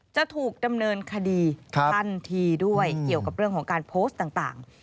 จะถูกดำเนินคดีทันทีด้วยเกี่ยวกับเรื่องของการโพสต์ต่าง